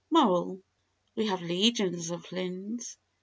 Moral. We have legions of Flynns.